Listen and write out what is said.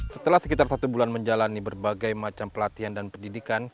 setelah sekitar satu bulan menjalani berbagai macam pelatihan dan pendidikan